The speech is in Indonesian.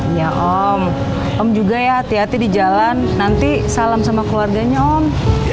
ya om om om juga ya hati hati di jalan nanti salam sama keluarganya om